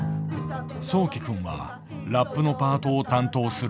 そうき君はラップのパートを担当する。